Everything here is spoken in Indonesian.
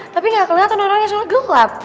tapi gak keliatan orangnya soalnya gelap